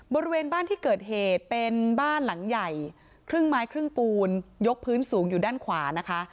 บริเวณบ้านที่เกิดเหตุเป็นบ้านหลังใหญ่ครึ่งไม้ครึ่งปูนยกพื้นสูงอยู่ด้านขวานะคะ